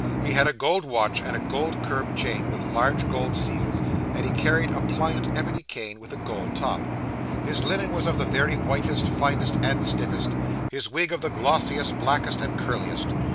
He had a gold watch, and a gold curb chain with large gold seals; and he carried a pliant ebony cane with a gold top. His linen was of the very whitest, finest, and stiffest; his wig of the glossiest, blackest, and curliest.